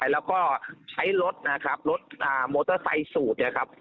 แล้วก็ใช้รถนะครับรถมอเตอร์ไซค์สูบเนี่ยครับ